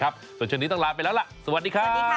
โปรดติดตามตอนต่อไป